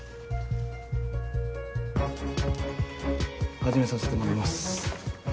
始めさせてもらいます。